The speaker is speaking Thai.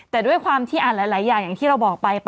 แต่ด้วยความที่อ่านหลายอย่างอย่างที่เราบอกไป